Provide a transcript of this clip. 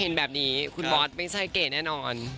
เห็นแบบนี้คุณบอสไม่ใช่เก๋แน่นอน